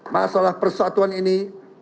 masalah persatuan ini